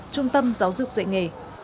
trung tâm giáo dục dạy nghề